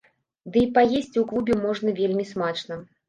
Ды і паесці ў клубе можна вельмі смачна.